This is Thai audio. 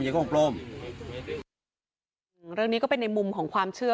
ปลอมเรื่องนี้ก็เป็นในมุมของความเชื่อ